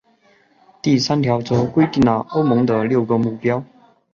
第三条则规定了欧盟的六个目标。